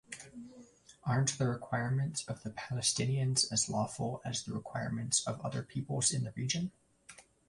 Aren’t the requirements of the Palestinians as lawful as the requirements of other peoples in the region?